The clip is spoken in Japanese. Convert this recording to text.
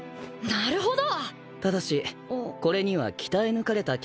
なるほど。